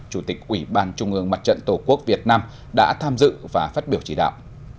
chủ tịch ủy ban trung ương mặt trận tổ quốc việt nam đã tham dự và phát biểu chỉ đạo